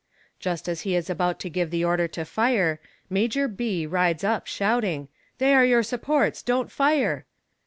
Just as he is about to give the order to fire, Major B. rides up shouting, "They are your supports, don't fire."